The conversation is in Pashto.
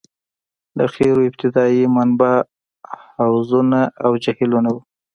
د قیرو ابتدايي منبع حوضونه او جهیلونه وو